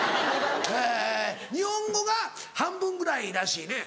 えぇ日本語が半分ぐらいらしいね。